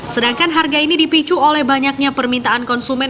sedangkan harga ini dipicu oleh banyaknya permintaan konsumen